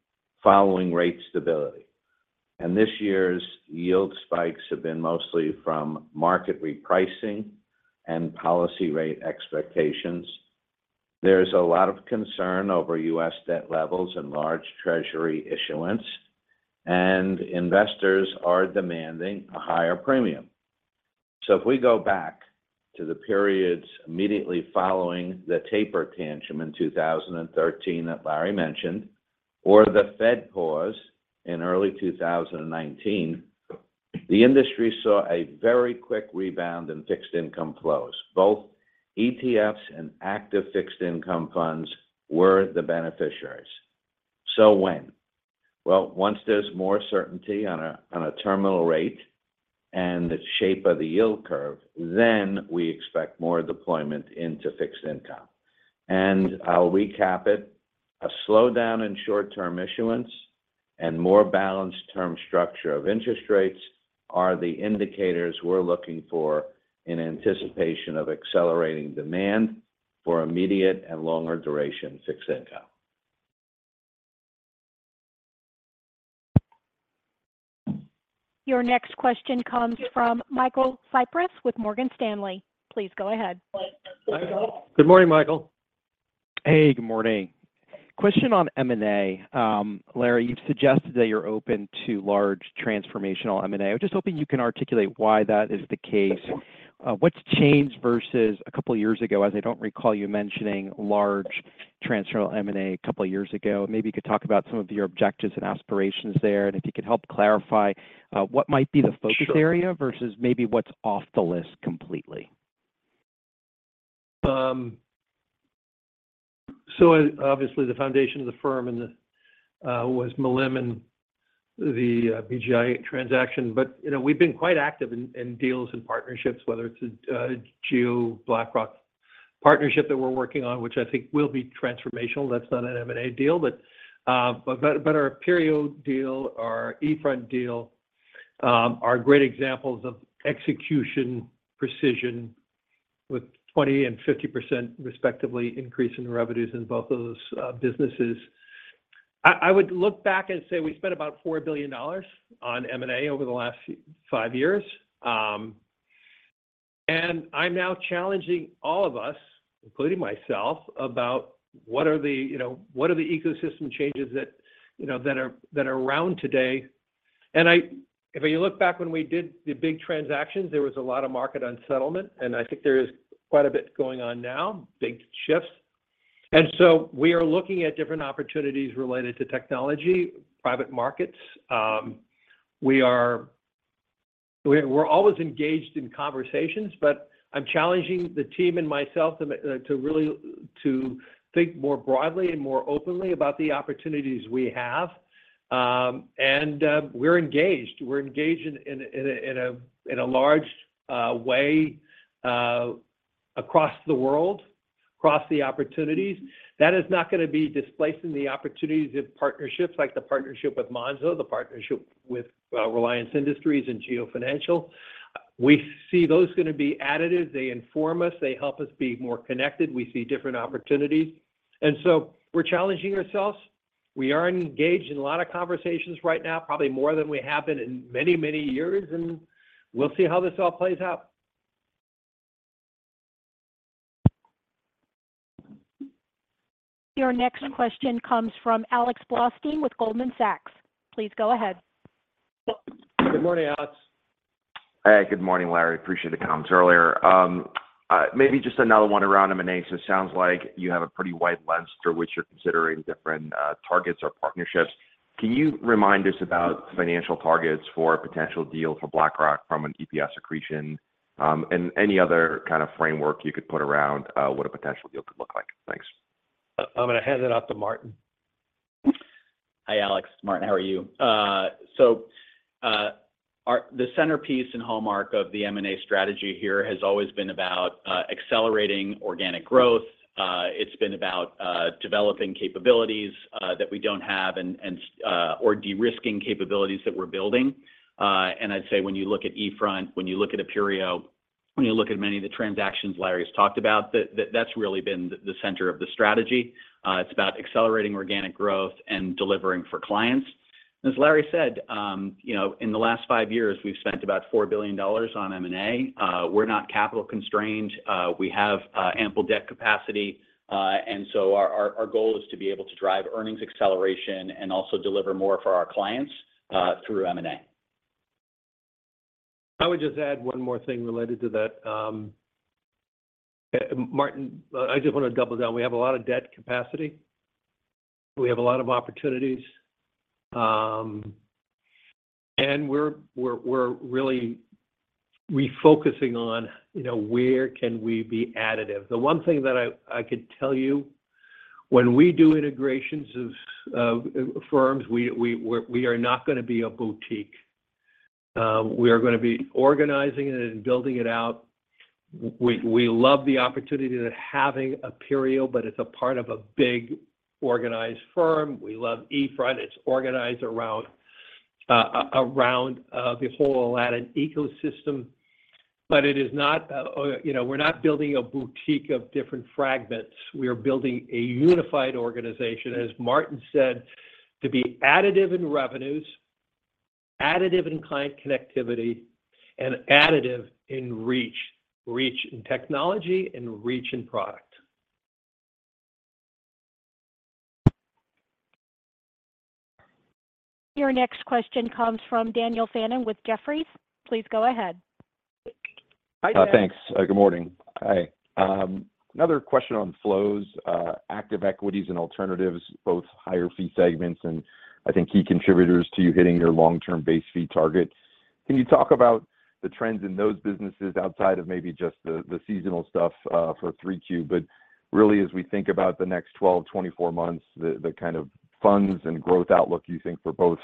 following rate stability, and this year's yield spikes have been mostly from market repricing and policy rate expectations. There's a lot of concern over U.S. debt levels and large Treasury issuance, and investors are demanding a higher premium. So if we go back to the periods immediately following the taper tantrum in 2013 that Larry mentioned, or the Fed pause in early 2019, the industry saw a very quick rebound in fixed income flows. Both ETFs and active fixed income funds were the beneficiaries. So when? Well, once there's more certainty on a terminal rate and the shape of the yield curve, then we expect more deployment into fixed income. I'll recap it, a slowdown in short-term issuance and more balanced term structure of interest rates are the indicators we're looking for in anticipation of accelerating demand for immediate and longer duration fixed income. Your next question comes from Michael Cyprys with Morgan Stanley. Please go ahead. Good morning, Michael. Hey, good morning. Question on M&A. Larry, you've suggested that you're open to large transformational M&A. I'm just hoping you can articulate why that is the case. What's changed versus a couple of years ago, as I don't recall you mentioning large transformational M&A a couple of years ago? Maybe you could talk about some of your objectives and aspirations there, and if you could help clarify, what might be the focus- Sure. area versus maybe what's off the list completely? So obviously, the foundation of the firm and the was Milliman, the BGI transaction. But, you know, we've been quite active in deals and partnerships, whether it's a JioBlackRock partnership that we're working on, which I think will be transformational. That's not an M&A deal, but, but our Aperio deal, our eFront deal are great examples of execution precision with 20% and 50%, respectively, increase in revenues in both of those businesses. I would look back and say we spent about $4 billion on M&A over the last five years. And I'm now challenging all of us, including myself, about what are the, you know, what are the ecosystem changes that, you know, that are around today? If you look back when we did the big transactions, there was a lot of market unsettlement, and I think there is quite a bit going on now, big shifts. We are looking at different opportunities related to technology, private markets. We're always engaged in conversations, but I'm challenging the team and myself to really think more broadly and more openly about the opportunities we have. And we're engaged in a large way across the world, across the opportunities. That is not going to be displacing the opportunities in partnerships, like the partnership with Monzo, the partnership with Reliance Industries and Jio Financial Services. We see those going to be additive. They inform us, they help us be more connected. We see different opportunities, and so we're challenging ourselves. We are engaged in a lot of conversations right now, probably more than we have been in many, many years, and we'll see how this all plays out. Your next question comes from Alex Blostein with Goldman Sachs. Please go ahead. Good morning, Alex. Hey, good morning, Larry. Appreciate the comments earlier. Maybe just another one around M&A. So it sounds like you have a pretty wide lens through which you're considering different targets or partnerships. Can you remind us about financial targets for a potential deal for BlackRock from an EPS accretion, and any other kind of framework you could put around what a potential deal could look like? Thanks. I'm going to hand it out to Martin. Hi, Alex. Martin, how are you? The centerpiece and hallmark of the M&A strategy here has always been about accelerating organic growth. It's been about developing capabilities that we don't have and, and, or de-risking capabilities that we're building. I'd say when you look at eFront, when you look at Aperio, when you look at many of the transactions Larry has talked about, that's really been the center of the strategy. It's about accelerating organic growth and delivering for clients. As Larry said, you know, in the last five years, we've spent about $4 billion on M&A. We're not capital constrained, we have ample debt capacity, and so our goal is to be able to drive earnings acceleration and also deliver more for our clients through M&A. I would just add one more thing related to that. Martin, I just want to double down. We have a lot of debt capacity, we have a lot of opportunities, and we're really refocusing on, you know, where can we be additive? The one thing that I could tell you, when we do integrations of firms, we are not going to be a boutique. We are going to be organizing it and building it out. We love the opportunity to having Aperio, but it's a part of a big, organized firm. We love eFront. It's organized around the whole Aladdin ecosystem, but it is not, you know, we're not building a boutique of different fragments. We are building a unified organization, as Martin said, to be additive in revenues, additive in client connectivity, and additive in reach. Reach in technology and reach in product. Your next question comes from Daniel Fannon with Jefferies. Please go ahead. Hi, Dan. Thanks. Good morning. Hi. Another question on flows, active equities and alternatives, both higher fee segments, and I think key contributors to you hitting your long-term base fee targets. Can you talk about the trends in those businesses outside of maybe just the, the seasonal stuff, for 3Q? But really, as we think about the next 12, 24 months, the, the kind of funds and growth outlook you think for both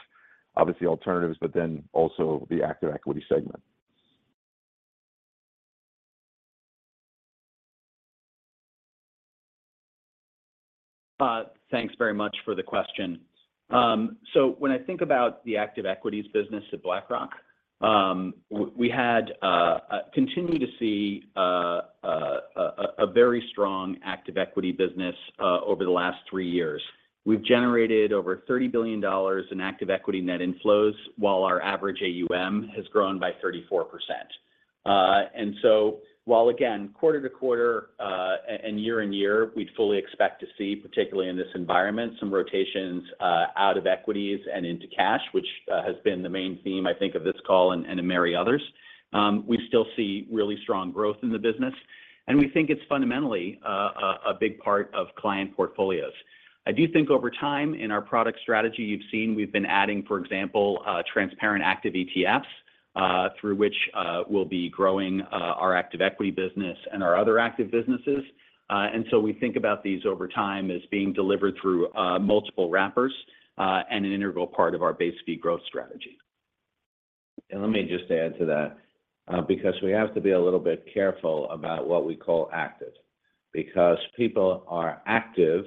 obviously alternatives, but then also the active equity segment. Thanks very much for the question. When I think about the active equities business at BlackRock, we had, continue to see, a very strong active equity business over the last three years. We've generated over $30 billion in active equity net inflows, while our average AUM has grown by 34%. While again, quarter to quarter, and year and year, we'd fully expect to see, particularly in this environment, some rotations out of equities and into cash, which has been the main theme, I think, of this call and to many others. We still see really strong growth in the business, and we think it's fundamentally a big part of client portfolios. I do think over time, in our product strategy you've seen, we've been adding, for example, transparent, active ETFs, through which, we'll be growing, our active equity business and our other active businesses. And so we think about these over time as being delivered through, multiple wrappers, and an integral part of our base fee growth strategy. And let me just add to that, because we have to be a little bit careful about what we call active. Because people are active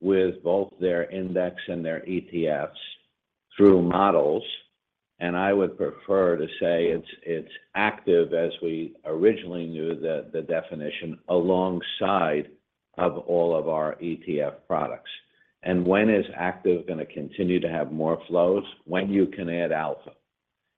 with both their index and their ETFs through models, and I would prefer to say it's active as we originally knew the definition, alongside of all of our ETF products. And when is active going to continue to have more flows? When you can add alpha.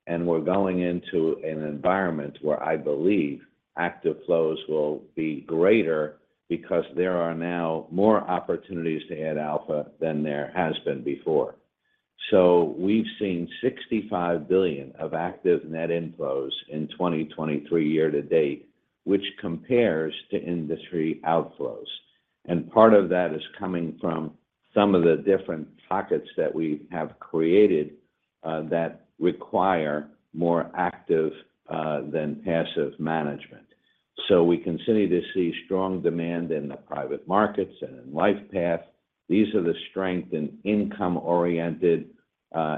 And we're going into an environment where I believe active flows will be greater because there are now more opportunities to add alpha than there has been before. So we've seen $65 billion of active net inflows in 2023 year to date, which compares to industry outflows. And part of that is coming from some of the different pockets that we have created that require more active than passive management. So we continue to see strong demand in the private markets and in LifePath. These are the strength and income-oriented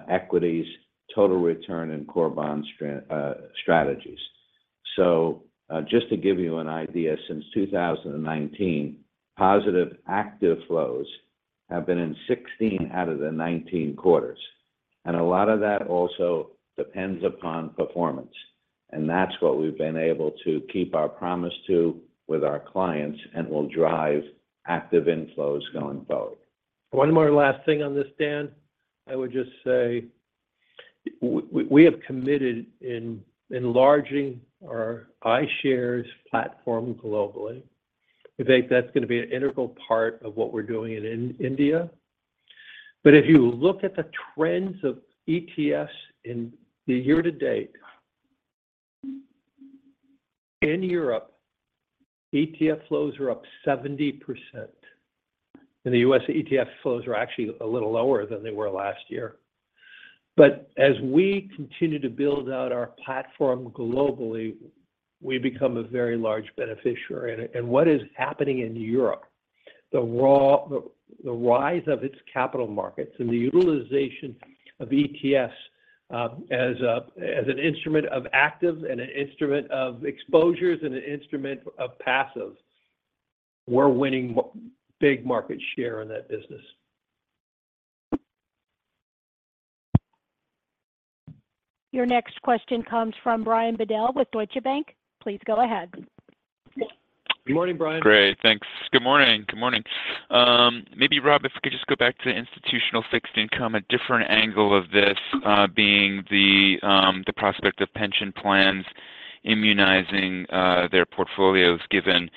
equities, total return, and core bond strategies. So, just to give you an idea, since 2019, positive active flows have been in 16 out of the 19 quarters, and a lot of that also depends upon performance, and that's what we've been able to keep our promise to with our clients, and will drive active inflows going forward. One more last thing on this, Dan. I would just say, we have committed in enlarging our iShares platform globally. I think that's going to be an integral part of what we're doing in India. But if you look at the trends of ETFs in the year to date, in Europe, ETF flows are up 70%. In the U.S., ETF flows are actually a little lower than they were last year. But as we continue to build out our platform globally, we become a very large beneficiary. And what is happening in Europe, the rise of its capital markets and the utilization of ETFs, as an instrument of active and an instrument of exposures and an instrument of passives, we're winning big market share in that business. Your next question comes from Brian Bedell with Deutsche Bank. Please go ahead. Good morning, Brian. Great, thanks. Good morning. Good morning. Maybe, Rob, if we could just go back to institutional fixed income, a different angle of this, being the prospect of pension plans immunizing their portfolios, given,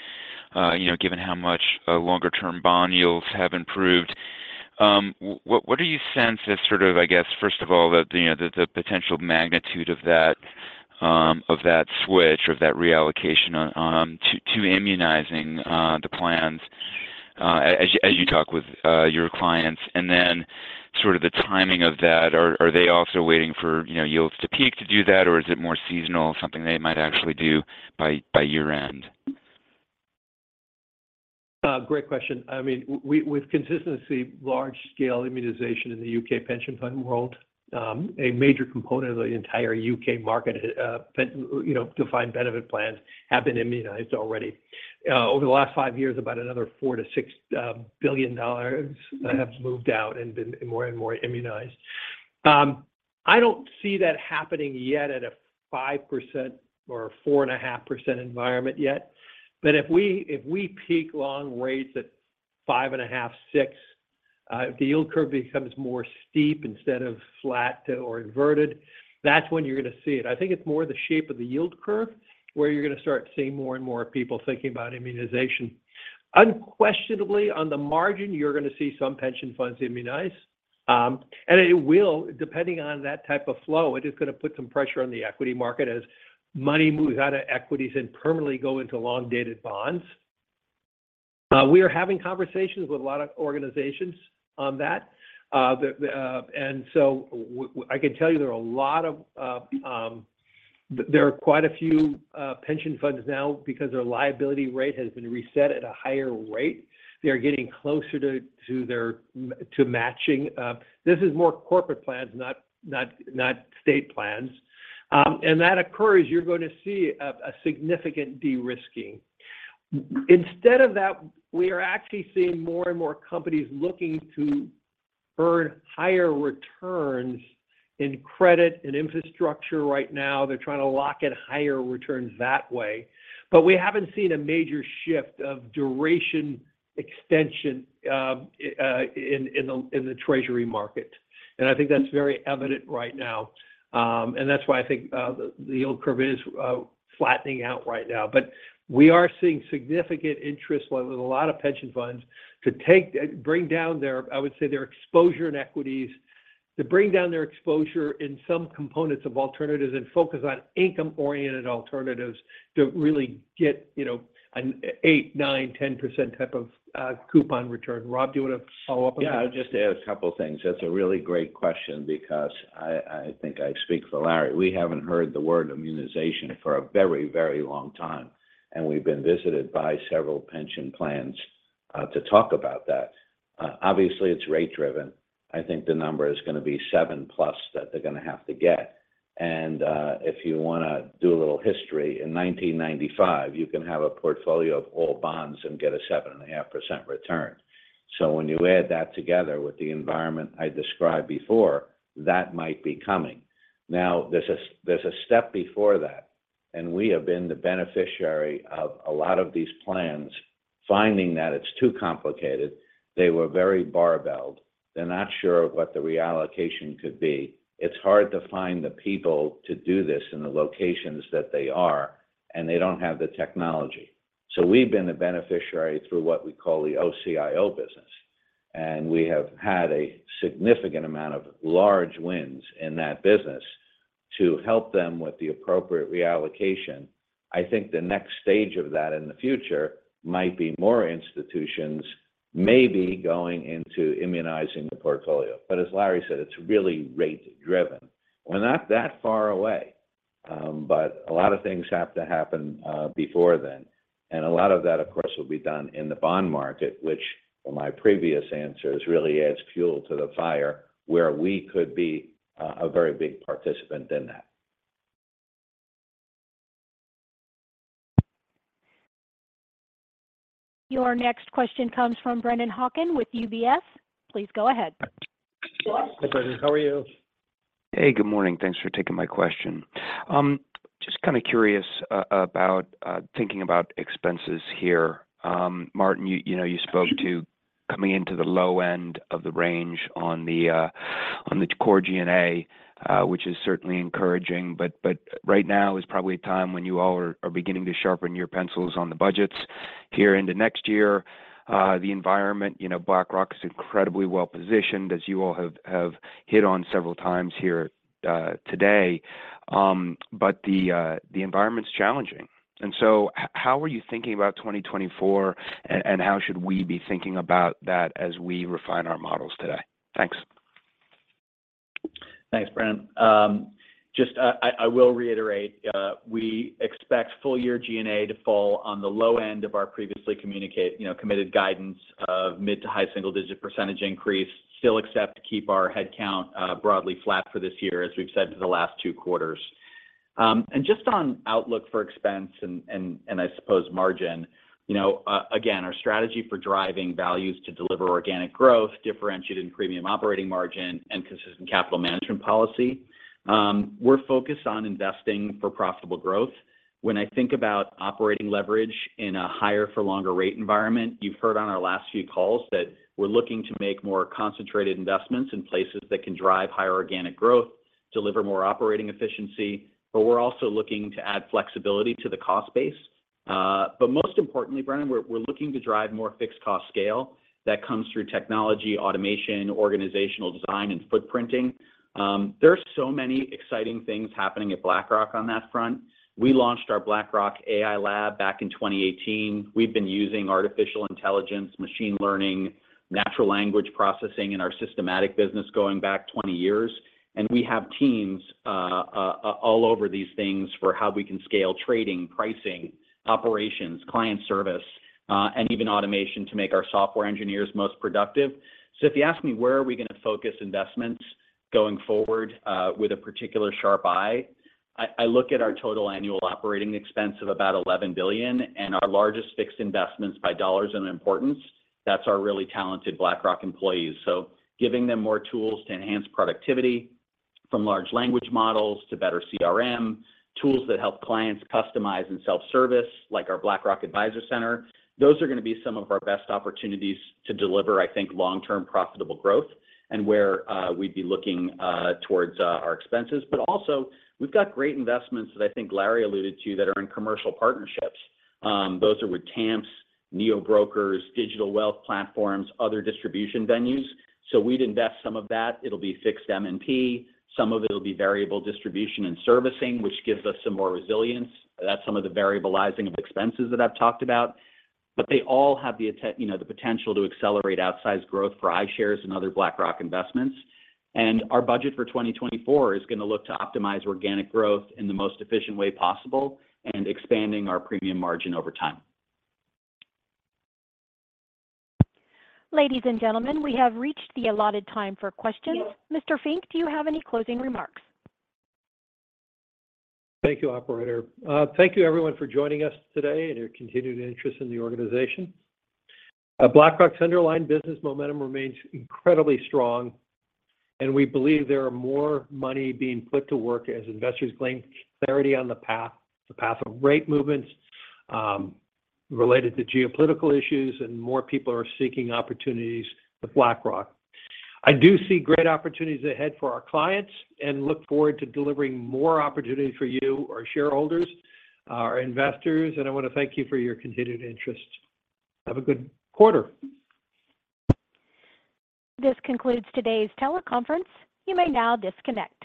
you know, given how much longer term bond yields have improved. What, what is your sense as sort of, I guess, first of all, the, you know, the, the potential magnitude of that, of that switch or of that reallocation, to, to immunizing the plans, as you, as you talk with your clients, and then sort of the timing of that? Are they also waiting for, you know, yields to peak to do that, or is it more seasonal, something they might actually do by year-end? Great question. I mean, we've consistency, large scale immunization in the U.K. pension fund world. A major component of the entire U.K. market, you know, defined benefit plans have been immunized already. Over the last five years, about another $4 billion-$6 billion have moved out and been more and more immunized. I don't see that happening yet at a 5% or 4.5% environment yet. If we peak long rates at 5.5%, 6%, if the yield curve becomes more steep instead of flat or inverted, that's when you're going to see it. I think it's more the shape of the yield curve, where you're going to start seeing more and more people thinking about immunization. Unquestionably, on the margin, you're going to see some pension funds immunize. And it will, depending on that type of flow, it is going to put some pressure on the equity market as money moves out of equities and permanently go into long-dated bonds. We are having conversations with a lot of organizations on that. And so I can tell you, there are a lot of, there are quite a few pension funds now, because their liability rate has been reset at a higher rate. They are getting closer to their matching. This is more corporate plans, not state plans. And that occurs, you're going to see a significant de-risking. Instead of that, we are actually seeing more and more companies looking to earn higher returns in credit and infrastructure right now. They're trying to lock in higher returns that way, but we haven't seen a major shift of duration extension in the treasury market. I think that's very evident right now. That's why I think the yield curve is flattening out right now. We are seeing significant interest with a lot of pension funds to bring down their, I would say, their exposure in equities, to bring down their exposure in some components of alternatives and focus on income-oriented alternatives to really get, you know, an 8%-10% type of coupon return. Rob, do you want to follow up on that? Yeah, I'll just add a couple of things. That's a really great question because I, I think I speak for Larry. We haven't heard the word immunization for a very, very long time, and we've been visited by several pension plans to talk about that. Obviously, it's rate driven. I think the number is gonna be 7+ that they're gonna have to get. If you wanna do a little history, in 1995, you can have a portfolio of all bonds and get a 7.5% return. So when you add that together with the environment I described before, that might be coming. Now, there's a step before that, and we have been the beneficiary of a lot of these plans, finding that it's too complicated. They were very barbelled. They're not sure of what the reallocation could be. It's hard to find the people to do this in the locations that they are, and they don't have the technology. So we've been the beneficiary through what we call the OCIO business, and we have had a significant amount of large wins in that business to help them with the appropriate reallocation. I think the next stage of that in the future might be more institutions, maybe going into immunizing the portfolio. But as Larry said, it's really rate driven. We're not that far away, but a lot of things have to happen, before then, and a lot of that, of course, will be done in the bond market, which for my previous answers, really adds fuel to the fire, where we could be, a very big participant in that. Your next question comes from Brennan Hawken with UBS. Please go ahead. Hi, Brennan. How are you? Hey, good morning. Thanks for taking my question. Just kind of curious about thinking about expenses here. Martin, you know, you spoke to coming into the low end of the range on the core G&A, which is certainly encouraging. But right now is probably a time when you all are beginning to sharpen your pencils on the budgets here into next year. The environment, you know, BlackRock is incredibly well-positioned, as you all have hit on several times here today. But the environment is challenging. And so how are you thinking about 2024, and how should we be thinking about that as we refine our models today? Thanks. Thanks, Brennan. Just, I will reiterate, we expect full year G&A to fall on the low end of our previously communicated, you know, committed guidance of mid- to high-single-digit percentage increase. Still expect to keep our head count broadly flat for this year, as we've said for the last two quarters. And just on outlook for expense and, and I suppose margin, you know, again, our strategy for driving values to deliver organic growth, differentiated in premium operating margin and consistent capital management policy, we're focused on investing for profitable growth. When I think about operating leverage in a higher for longer rate environment, you've heard on our last few calls that we're looking to make more concentrated investments in places that can drive higher organic growth, deliver more operating efficiency, but we're also looking to add flexibility to the cost base. But most importantly, Brennan, we're looking to drive more fixed cost scale that comes through technology, automation, organizational design, and footprinting. There are so many exciting things happening at BlackRock on that front. We launched our BlackRock AI Lab back in 2018. We've been using artificial intelligence, machine learning, natural language processing in our systematic business going back 20 years, and we have teams all over these things for how we can scale trading, pricing, operations, client service, and even automation to make our software engineers most productive. So if you ask me, where are we gonna focus investments going forward, with a particular sharp eye, I look at our total annual operating expense of about $11 billion and our largest fixed investments by dollars and importance. That's our really talented BlackRock employees. So giving them more tools to enhance productivity, from large language models to better CRM, tools that help clients customize and self-service, like our BlackRock Advisor Center, those are gonna be some of our best opportunities to deliver, I think, long-term profitable growth and where we'd be looking towards our expenses. But also, we've got great investments that I think Larry alluded to, that are in commercial partnerships. Those are with TAMPs, neo-brokers, digital wealth platforms, other distribution venues. So we'd invest some of that. It'll be fixed M&P, some of it will be variable distribution and servicing, which gives us some more resilience. That's some of the variabilizing of expenses that I've talked about. But they all have you know, the potential to accelerate outsized growth for iShares and other BlackRock investments. And our budget for 2024 is gonna look to optimize organic growth in the most efficient way possible and expanding our premium margin over time. Ladies and gentlemen, we have reached the allotted time for questions. Mr. Fink, do you have any closing remarks? Thank you, operator. Thank you, everyone, for joining us today and your continued interest in the organization. BlackRock's underlying business momentum remains incredibly strong, and we believe there are more money being put to work as investors claim clarity on the path of rate movements related to geopolitical issues, and more people are seeking opportunities with BlackRock. I do see great opportunities ahead for our clients and look forward to delivering more opportunities for you, our shareholders, our investors, and I want to thank you for your continued interest. Have a good quarter. This concludes today's teleconference. You may now disconnect.